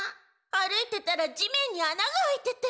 歩いてたら地面にあながあいてて。